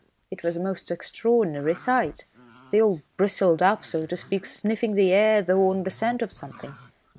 It was a most extraordinary sight. They all bristled up, so to speak, sniffing the air though on the scent of something.